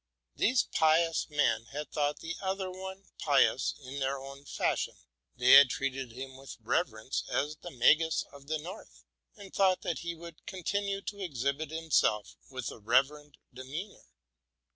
These pious men had thought the other one pious in 'their own fashion: they had treated him with reverence as the '* Magus of the North,'' and thought that he would continue to exhibit himself with a reverend demeanor.